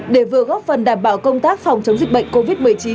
để vừa góp phần đảm bảo công tác phòng chống dịch bệnh covid một mươi chín